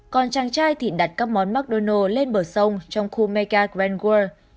còn chàng trai thì đặt các món mcdonald lên bờ sông trong khu mega grand world